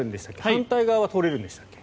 反対側は通れるんでしたっけ？